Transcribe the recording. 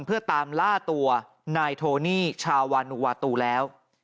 เพื่อตามล่าตัวนายโทนี่ชาววานูวาตูแล้ว